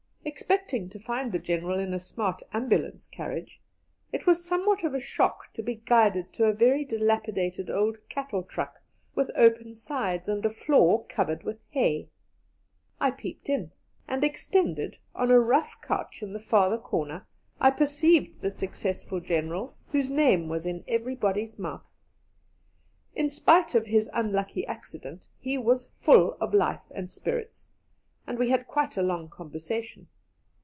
Expecting to find the General in a smart ambulance carriage, it was somewhat of a shock to be guided to a very dilapidated old cattle truck, with open sides and a floor covered with hay. I peeped in, and extended on a rough couch in the farther corner, I perceived the successful General, whose name was in everybody's mouth. In spite of his unlucky accident, he was full of life and spirits, and we had quite a long conversation.